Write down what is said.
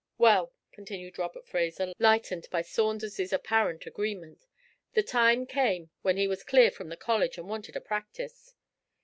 'Well,' continued Robert Fraser, lightened by Saunders's apparent agreement, 'the time came when he was clear from the college, and wanted a practice.